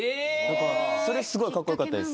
それすごいカッコ良かったです。